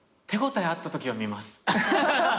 手応えあったときは見ます。